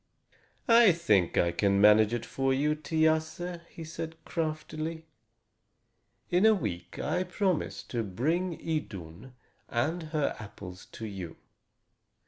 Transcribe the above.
"I think I can manage it for you, Thiasse," he said craftily. "In a week I promise to bring Idun and her apples to you.